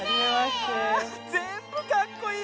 ぜんぶかっこいい！